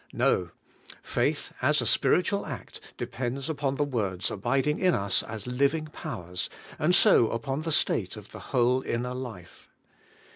No; faith, as a spiritual act, depends upon the words abiding in us as living powers, and so upon the state of the whole inner life.